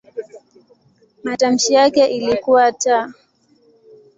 Matamshi yake ilikuwa "t".